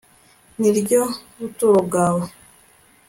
ni ryo buturo bwawe